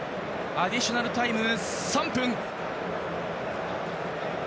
アディショナルタイム３分。